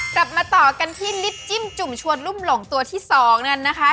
กลับมาต่อกันที่ลิฟต์จิ้มจุ่มชวนรุ่มหลงตัวที่๒นั้นนะคะ